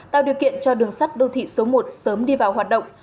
tạo điều kiện cho đường sắt đô thị số một sớm đi vào hoạt động